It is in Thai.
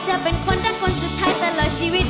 เธอเป็นคนดังกลสุดท้ายตลอดชีวิต